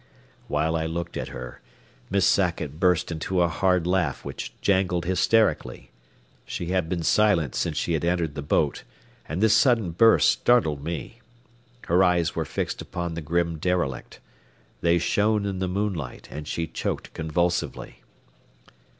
While I looked at her, Miss Sackett burst into a hard laugh which jangled hysterically. She had been silent since she had entered the boat, and this sudden burst startled me. Her eyes were fixed upon the grim derelict. They shone in the moonlight and she choked convulsively.